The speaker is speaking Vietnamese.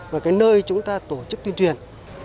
và cái nơi chúng ta tổ chức tuyên truyền